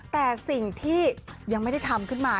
แต่สิ่งที่ยังไม่ได้ทำขึ้นมา